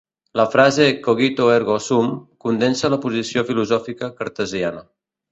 La frase "cogito ergo sum" condensa la posició filosòfica cartesiana.